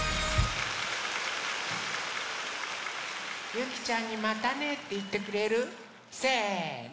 ゆきちゃんにまたね！っていってくれる？せの！